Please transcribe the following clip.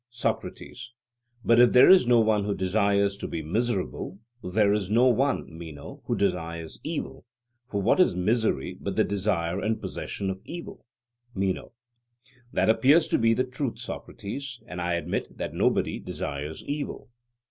SOCRATES: But if there is no one who desires to be miserable, there is no one, Meno, who desires evil; for what is misery but the desire and possession of evil? MENO: That appears to be the truth, Socrates, and I admit that nobody desires evil.